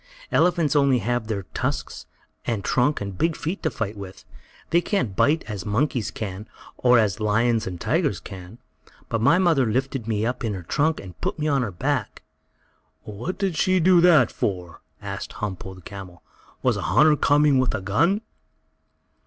"Elephants only have their tusks, and trunk and big feet to fight with. They can't bite as you monkeys can, nor as lions and tigers can. But my mother lifted me up in her trunk to put me on her back." "What did she want to do that for?" asked Humpo, the camel. "Was a hunter coming with a gun?"